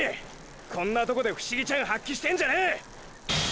こんなとこで不思議チャン発揮してんじゃねェ！！